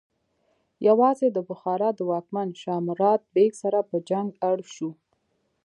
یوازې د بخارا د واکمن شاه مراد بیک سره په جنګ اړ شو.